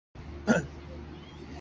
紫果蔺为莎草科荸荠属的植物。